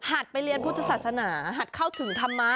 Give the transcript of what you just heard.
ไปเรียนพุทธศาสนาหัดเข้าถึงธรรมะ